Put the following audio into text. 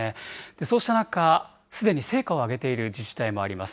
そうした中、すでに成果を上げている自治体もあります。